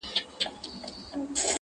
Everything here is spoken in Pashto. چي اوږدې نه کړي هیڅوک پښې له شړیو؛